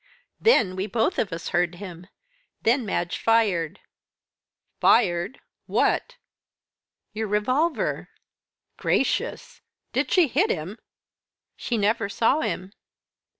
Then we both of us heard him then Madge fired " "Fired? what?" "Your revolver." "Gracious! did she hit him?" "She never saw him."